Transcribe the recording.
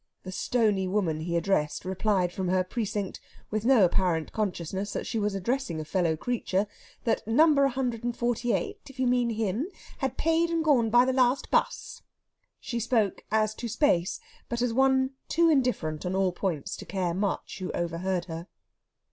The stony woman he addressed replied from her precinct, with no apparent consciousness that she was addressing a fellow creature, that No. 148, if you meant him, had paid and gone by last 'bus. She spoke as to space, but as one too indifferent on all points to care much who overheard her.